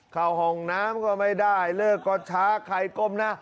เข้าห้องน้ำก็ไม่ได้เลิกก็ช้าใครก้มนะ